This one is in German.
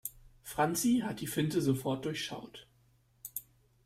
Franzi hat die Finte sofort durchschaut.